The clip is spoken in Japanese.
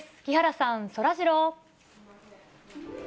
木原さん、そらジロー。